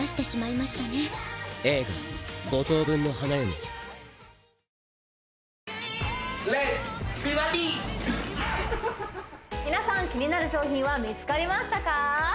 美バディ皆さん気になる商品は見つかりましたか？